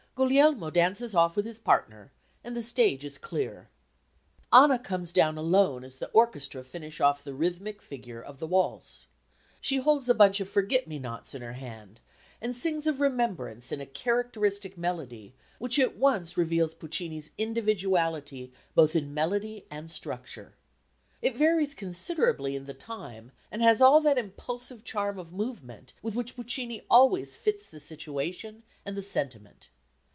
Guglielmo dances off with his partner and the stage is clear. Anna comes down alone as the orchestra finish off the rhythmic figure of the waltz. She holds a bunch of forget me nots in her hand, and sings of remembrance in a characteristic melody which at once reveals Puccini's individuality both in melody and structure. It varies considerably in the time, and has all that impulsive charm of movement with which Puccini always fits the situation and the sentiment.